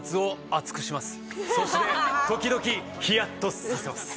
そして時々ヒヤッとさせます。